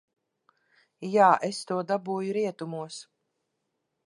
Jā, es to dabūju rietumos.